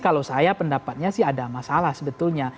kalau saya pendapatnya sih ada masalah sebetulnya